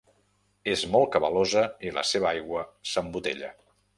És molt cabalosa i la seva aigua s'embotella.